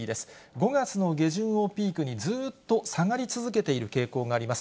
５月の下旬をピークにずーっと下がり続けている傾向があります。